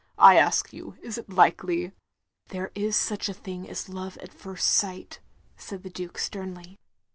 I ask you, is it likely?" "There is such a thing as love at first sight," said the Duke, sternly.